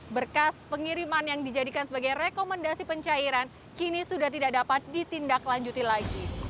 berkas pengiriman yang dijadikan sebagai rekomendasi pencairan kini sudah tidak dapat ditindaklanjuti lagi